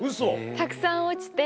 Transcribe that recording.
たくさん落ちて。